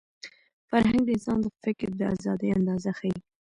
فرهنګ د انسان د فکر د ازادۍ اندازه ښيي.